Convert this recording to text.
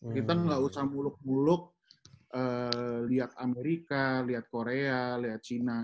kita nggak usah muluk muluk liat amerika liat korea liat china